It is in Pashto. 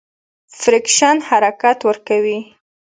فریکشن حرکت ورو کوي.